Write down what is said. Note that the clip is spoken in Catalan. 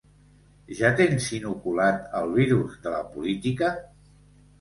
—Ja tens inoculat el virus de la política?